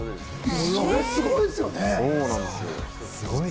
すごいですよね。